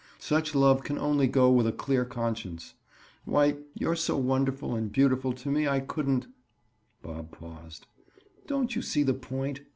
Such love can only go with a clear conscience. Why, you're so wonderful and beautiful to me I couldn't—" Bob paused. "Don't you see the point?"